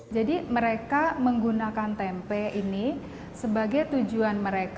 jadi mereka menggunakan tempe ini sebagai tujuan mereka